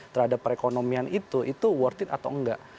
terhadap perekonomian itu itu worth it atau enggak